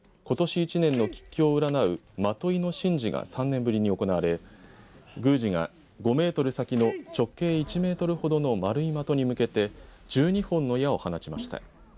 一年の吉凶を占う的射の神事が３年ぶりに行われ宮司が５メートル先の直径１メートルほどの丸い的に向けて１２本の矢を放ちました。